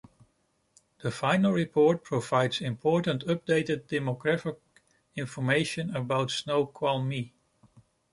The Final Report provides important updated demographic information about Snoqualmie.